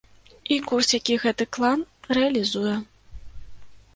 І курс, які гэты клан рэалізуе.